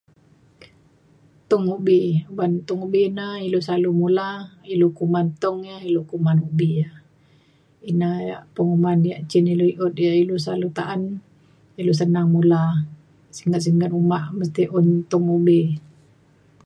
Tung ubi ban tung ubi na ilu selalu mula ilu kuman tung ia’ ilu kuman ubi ia’. Ina ia’ penguman ia’ cin ilu i’ut ia’ ilu selalu ta’an ilu senang mula singget singgrt uma mesti un tung ubi.